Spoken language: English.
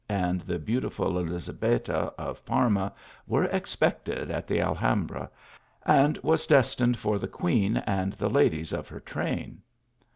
and the beautiful Elizabetta of Parma were expected at the Alhambra ; and was destined for the queen and the ladies of her train.